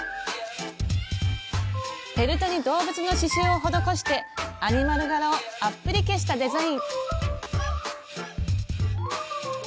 フェルトに動物の刺しゅうを施してアニマル柄をアップリケしたデザイン。